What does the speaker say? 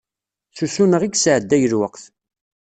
S usuneɣ i yesɛedday lweqt.